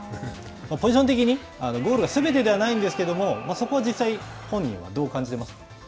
ポジション的に、ゴールがすべてではないんですけどそこは実際、本人はどう感じてますか。